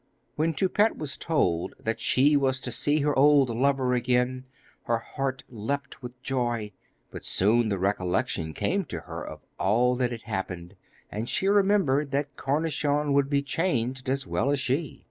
When Toupette was told that she was to see her old lover again, her heart leapt with joy; but soon the recollection came to her of all that had happened, and she remembered that Cornichon would be changed as well as she.